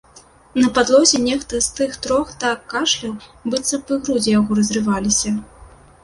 На падлозе нехта з тых трох так кашляў, быццам бы грудзі яго разрываліся.